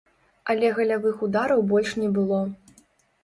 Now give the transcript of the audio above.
Але галявых удараў больш не было.